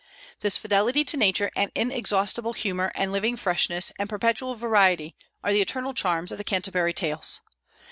This fidelity to nature and inexhaustible humor and living freshness and perpetual variety are the eternal charms of the "Canterbury Tales."